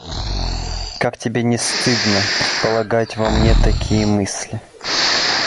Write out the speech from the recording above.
Как тебе не стыдно предполагать во мне такие мысли!